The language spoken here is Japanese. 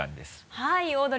はい。